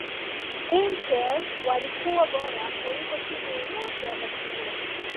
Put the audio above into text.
Inter walikuwa bora kuliko timu yoyote wakati ule